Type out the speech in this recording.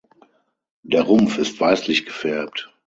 Der Rumpf ist weißlich gefärbt.